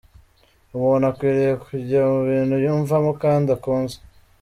Umuntu akwiriye kujya mu bintu yiyumvamo kandi akunze.